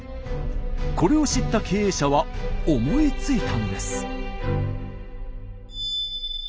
これを知った経営者は思いついたんです。